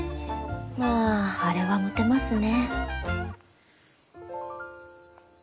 まぁあれはモテますね。